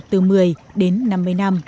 từ một mươi đến năm mươi năm